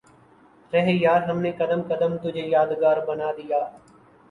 رہ یار ہم نے قدم قدم تجھے یادگار بنا دیا